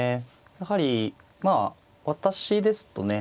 やはりまあ私ですとね